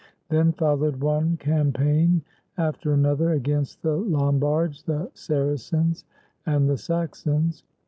Then followed one campaign after another, against the Lombards, the Saracens, and the Saxons.